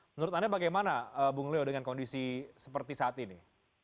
menurut anda bagaimana bung leo dengan kondisi seperti saat ini